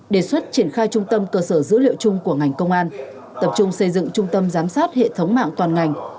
đề xuất triển khai trung tâm cơ sở dữ liệu chung của ngành công an tập trung xây dựng trung tâm giám sát hệ thống mạng toàn ngành